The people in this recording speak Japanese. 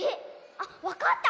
あっわかった！